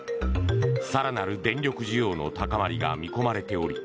更なる電力需要の高まりが見込まれており